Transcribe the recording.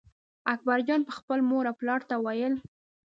اکبرجان به خپل مور او پلار ته ویل.